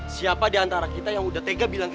siapa diantara kita yang udah tega bilang